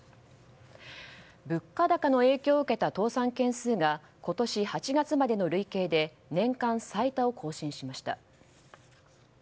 物価高の影響を受けた倒産件数が今年８月までの累計で年間最多を更新しました。